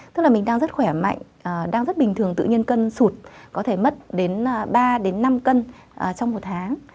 tức là mình đang rất khỏe mạnh đang rất bình thường tự nhiên cân sụt có thể mất đến ba năm cân trong một tháng